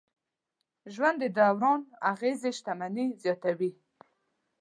ژوند دوران اغېزې شتمني زیاتوي.